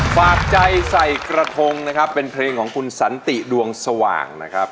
ฝากใจใส่กระทงนะครับเป็นเพลงของคุณสันติดวงสว่างนะครับ